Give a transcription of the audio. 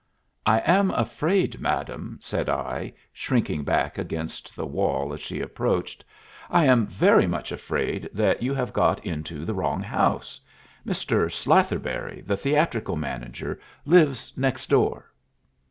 "I am afraid, madam," said I, shrinking back against the wall as she approached "I am very much afraid that you have got into the wrong house. Mr. Slatherberry, the theatrical manager, lives next door."